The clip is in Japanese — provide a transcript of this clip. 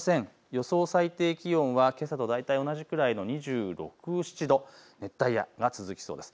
予想最低気温はけさと大体同じくらいの２６、２７度、熱帯夜が続きそうです。